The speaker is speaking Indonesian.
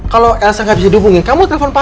kalau elsa gak bisa dihubungin kamu telepon papa